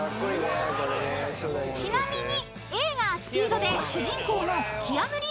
［ちなみに］